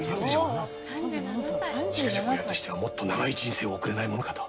しかし親としてはもっと長い人生を送れないものかと。